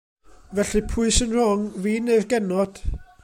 Felly, pwy sy'n rong, fi neu'r genod.